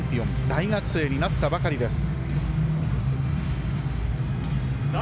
大学生になったばかりです。